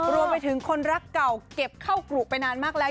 รวมไปถึงคนรักเก่าเก็บเข้ากรุไปนานมากแล้ว